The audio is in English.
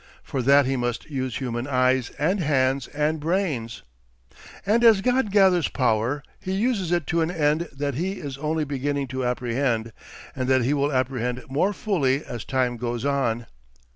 For that he must use human eyes and hands and brains. And as God gathers power he uses it to an end that he is only beginning to apprehend, and that he will apprehend more fully as time goes on.